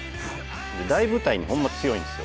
大舞台にホンマ強いんですよ。